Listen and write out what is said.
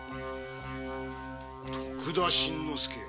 徳田新之助？